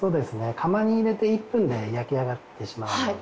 窯に入れて１分で焼きあがってしまうので。